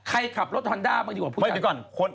ใครขับรถฮันด้าบ้างดีกว่าผู้จันทร์